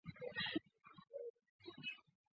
阿尔古热。